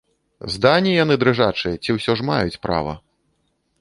Здані яны дрыжачыя ці ўсё ж маюць права?